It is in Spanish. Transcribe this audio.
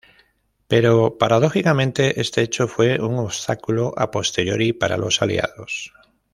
Pero paradójicamente este hecho fue un obstáculo a posteriori para los Aliados.